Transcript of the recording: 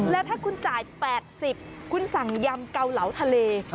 และถ้าคุณจ่าย๘๐คุณสั่งยำเกาเหลาทะเล